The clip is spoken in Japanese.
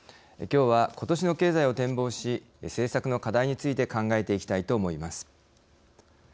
きょうは、ことしの経済を展望し政策の課題について考えていきたいと思います。